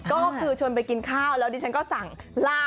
ก็คือชวนไปกินข้าวแล้วดิฉันก็สั่งล่า